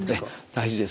大事です。